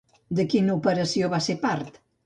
De quina operació va ser part?